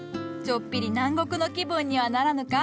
ちょっぴり南国の気分にはならぬか？